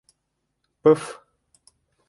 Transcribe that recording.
— Пы-фф!